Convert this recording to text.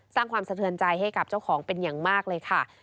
สร้างความสะเทือนใจให้กับเจ้าของเป็นอย่างมากเลยค่ะ